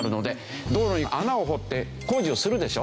道路に穴を掘って工事をするでしょ？